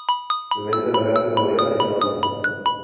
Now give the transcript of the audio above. Diumenge na Berta i na Mariona iran al metge.